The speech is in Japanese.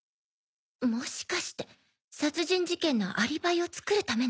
もしかして殺人事件のアリバイを作るためね